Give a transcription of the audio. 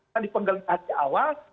kan di penggelidikan awal